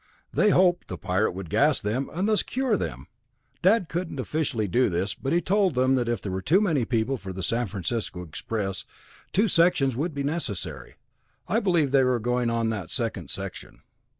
They hoped the Pirate would gas them and thus cure them! Dad couldn't officially do this, but told them that if there were too many people for the San Francisco express, two sections would be necessary. I believe they are going on that second section.